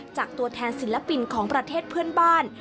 จากตัวแทนศิลปินของประเทศเพื่อนบ้าน